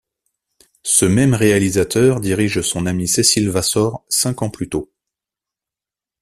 Ce même réalisateur dirige son amie Cécile Vassort cinq ans plus tôt.